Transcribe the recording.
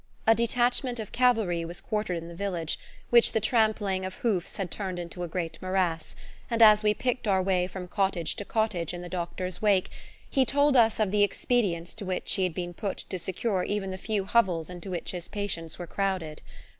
A detachment of cavalry was quartered in the village, which the trampling of hoofs had turned into a great morass, and as we picked our way from cottage to cottage in the doctor's wake he told us of the expedients to which he had been put to secure even the few hovels into which his patients were crowded.